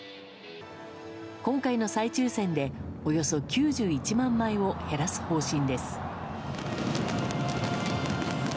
今回の再抽選でおよそ９１万枚を減らす方針です。